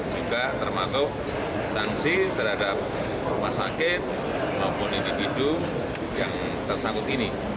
juga termasuk sanksi terhadap rumah sakit maupun individu yang tersangkut ini